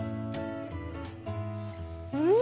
うん。